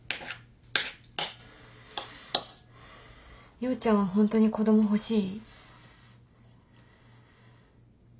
陽ちゃんはホントに子供欲しい？